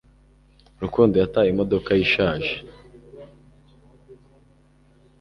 Rukundo yataye imodoka ye ishaje